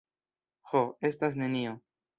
Ho, estas nenio.